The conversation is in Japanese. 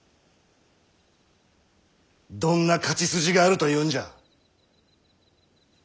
どんな勝ち筋があるというんじゃ。